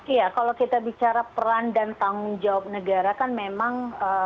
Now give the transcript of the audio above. iya kalau kita bicara peran dan tanggung jawab negara kan memang